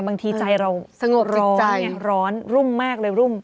บางทีใจเราร้อนร่อน๒๐๐๐